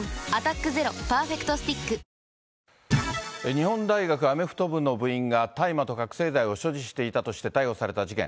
日本大学アメフト部の部員が大麻と覚醒剤を所持していたとして逮捕された事件。